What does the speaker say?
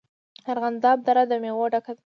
د ارغنداب دره د میوو ډکه ده.